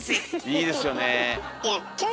いいですよね。